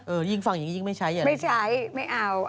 ยิ่งฟังอย่างนี้ยิ่งไม่ใช้อย่างนี้ไม่ใช้ไม่เอา